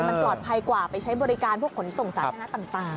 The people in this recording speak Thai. มันปลอดภัยกว่าไปใช้บริการพวกขนส่งสาธารณะต่าง